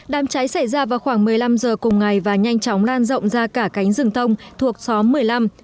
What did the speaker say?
đám cháy xảy ra vào khoảng một mươi năm giờ cùng ngày và nhanh chóng lan rộng ra cả cánh rừng thông thuộc xóm một mươi năm